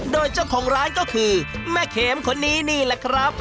โดยเจ้าของร้านก็คือแม่เขมคนนี้นี่แหละครับ